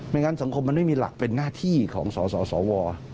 งั้นสังคมมันไม่มีหลักเป็นหน้าที่ของสสว